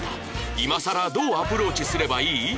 今更どうアプローチすればいい？